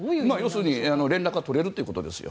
要するに連絡はとれるということですよ。